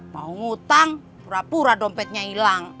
mau ngutang pura pura dompetnya hilang